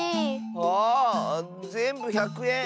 あぜんぶ１００えん。